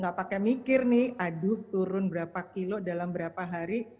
gak pakai mikir nih aduh turun berapa kilo dalam berapa hari